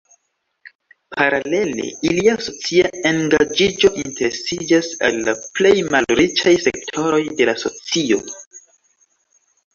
Paralele ilia socia engaĝiĝo interesiĝas al la plej malriĉaj sektoroj de la socio.